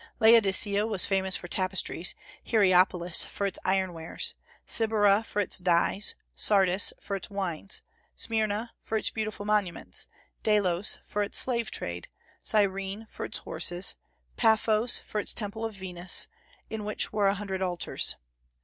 Laodicea was famous for tapestries, Hierapolis for its iron wares, Cybara for its dyes, Sardis for its wines, Smyrna for its beautiful monuments, Delos for its slave trade, Cyrene for its horses, Paphos for its temple of Venus, in which were a hundred altars.